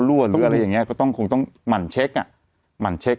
หรืออะไรอย่างนี้ก็คงต้องหมั่นเช็ก